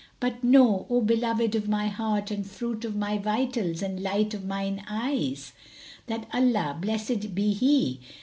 But know, O beloved of my heart and fruit of my vitals and light of mine eyes, that Allah (blessed be He!)